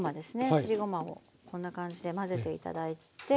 すりごまをこんな感じでまぜて頂いて。